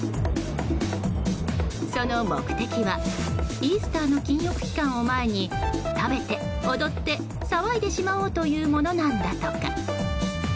その目的はイースターの禁欲期間を前に食べて、踊って、騒いでしまおうというものなんだとか。